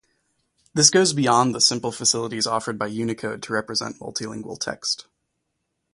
This goes beyond the simple facilities offered by Unicode to represent multilingual text.